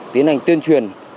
tiến hành tuyên truyền